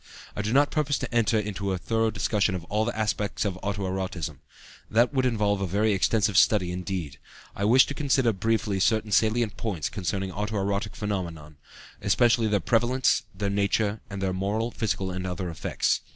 I do not purpose to enter into a thorough discussion of all the aspects of auto erotism. That would involve a very extensive study indeed. I wish to consider briefly certain salient points concerning auto erotic phenomena, especially their prevalence, their nature, and their moral, physical, and other effects.